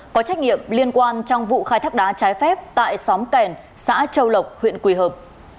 có trách nhiệm liên quan trong vụ khai thác đá trái phép tại xóm kèn xã châu lộc huyện quỳ hợp